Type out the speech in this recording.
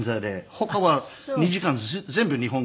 他は２時間全部日本語。